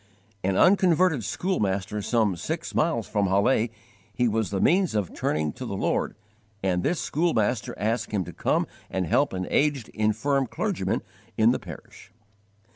_ An unconverted schoolmaster some six miles from Halle he was the means of turning to the Lord; and this schoolmaster asked him to come and help an aged, infirm clergyman in the parish.